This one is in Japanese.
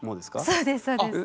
そうですそうです。